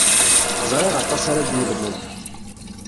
Ẓriɣ aṭas ara d-yelmed.